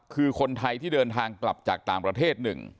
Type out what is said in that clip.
คือคนไทยที่เดินทางกลับจากต่างประเทศ๑